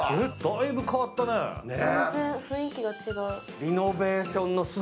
だいぶ変わったね。